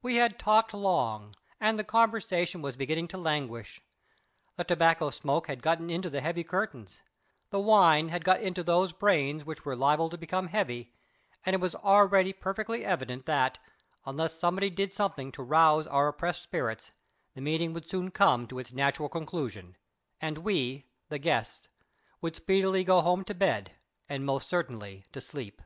We had talked long, and the conversation was beginning to languish; the tobacco smoke had got into the heavy curtains, the wine had got into those brains which were liable to become heavy, and it was already perfectly evident that, unless somebody did something to rouse our oppressed spirits, the meeting would soon come to its natural conclusion, and we, the guests, would speedily go home to bed, and most certainly to sleep.